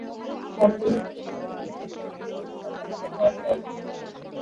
Chittagong city কর্পোরেশনের পশ্চিমাংশে দক্ষিণ আগ্রাবাদ ওয়ার্ডের অবস্থান।